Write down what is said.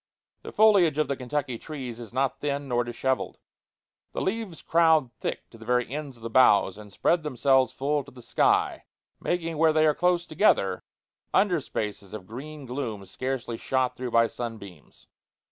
The foliage of the Kentucky trees is not thin nor dishevelled, the leaves crowd thick to the very ends of the boughs, and spread themselves full to the sky, making, where they are close together, under spaces of green gloom scarcely shot through by sunbeams.